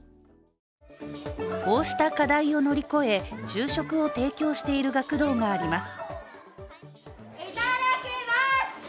こうした課題を乗り越え、昼食を提供している学童があります。